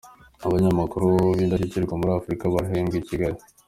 Abanyamakuru b’indashyikirwa muri Afurika barahemberwa i Kigali